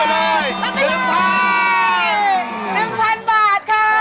รับไปเลย